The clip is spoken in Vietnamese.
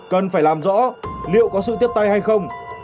cần phải làm rõ liệu có sự tiếp tay hay không